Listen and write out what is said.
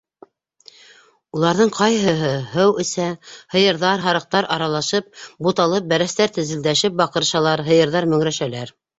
Уларҙың ҡайһыһы һыу эсә, һыйырҙар, һарыҡтар аралашып, буталып, бәрәстәр тезелдәшеп баҡырышалар, һыйырҙар мөңрәшәләр